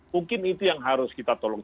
mungkin itu yang harus kita tolong